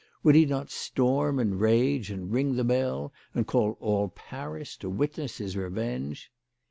Would he not storm and rage, and ring the bell, and call all Paris to witness his revenge